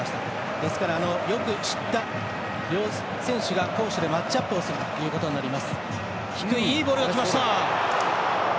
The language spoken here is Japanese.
ですから、よく知った両選手が攻守でマッチアップをするということになります。